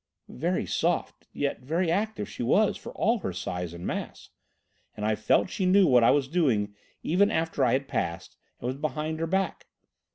"Very soft, yet very active she was, for all her size and mass, and I felt she knew what I was doing even after I had passed and was behind her back.